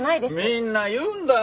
みんな言うんだよ